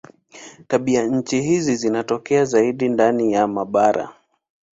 Tabianchi hizi zinatokea zaidi ndani ya mabara.